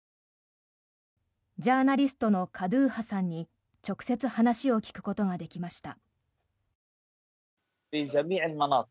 ジャーナリストのカドゥーハさんに直接話を聞くことができました。